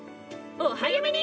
お早めに！